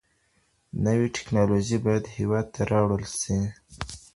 نوي ټیکنالوژي باید هېواد ته راوړل سي.